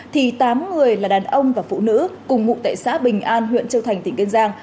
thì tám người là đàn ông và phụ nữ cùng ngụ tại xã bình an huyện châu thành tỉnh kiên giang